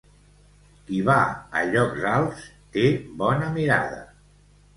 Qui va a llocs alts, té bona mirada.